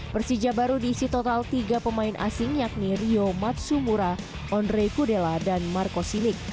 persija baru diisi total tiga pemain asing yakni rio matsumura onre kudela dan marco silic